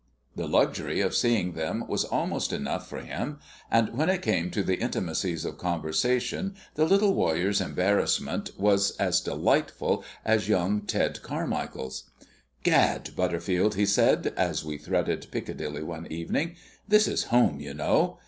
The luxury of seeing them was almost enough for him, and when it came to the intimacies of conversation the little warrior's embarrassment was as delightful as young Ted Carmichael's. "Gad, Butterfield," he said, as we threaded Piccadilly one evening, "this is home, you know!